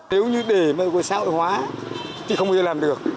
nếu như để mà xã hội hóa thì không bao giờ làm được